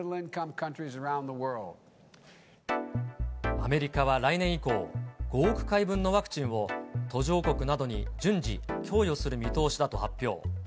アメリカは来年以降、５億回分のワクチンを、途上国などに順次、供与する見通しだと発表。